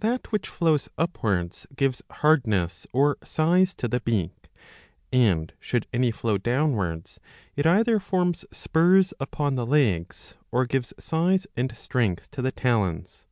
That which flows upwards gives hardness or size to the beak ; and, should any flow downwards, it either forms spurs upon the legs or gives size and strength to the talons.